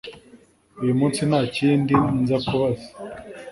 Uyu munsi nta kindi nzakubaza